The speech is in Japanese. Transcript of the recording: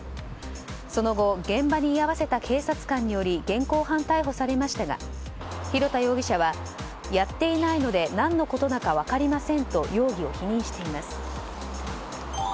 その後、現場に居合わせた警察官により現行犯逮捕されましたが廣田容疑者はやっていないので何のことだか分かりませんと容疑を否認しています。